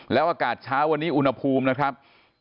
แล้วอากาศเช้าวันนี้อุณหภูมินะครับ